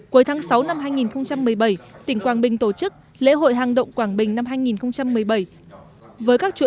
cuối tháng sáu năm hai nghìn một mươi bảy tỉnh quảng bình tổ chức lễ hội hàng động quảng bình năm hai nghìn một mươi bảy với các chuỗi